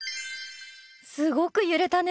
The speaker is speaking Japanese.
すごく揺れたね。